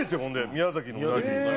宮崎のうなぎ。